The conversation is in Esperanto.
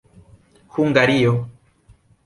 Hungario.